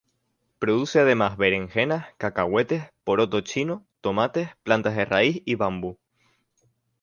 Produce además berenjenas, cacahuetes, poroto chino, tomates, plantas de raíz y bambú.